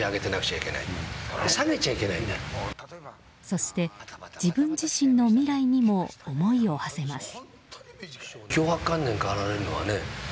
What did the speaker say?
そして、自分自身の未来にも思いをはせます。